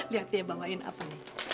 dia dia bawain apa nih